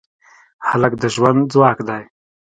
هلک د ژوند ځواک دی.